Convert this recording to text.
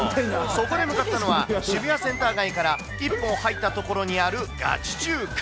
そこで向かったのは、渋谷センター街から一本入った所にあるガチ中華。